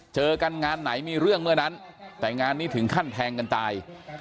เจอกันงานไหนมีเรื่องเมื่อนั้นแต่งานนี้ถึงขั้นแทงกันตาย